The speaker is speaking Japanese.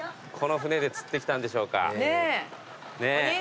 この船で釣ってきたんでしょうか。ねぇ。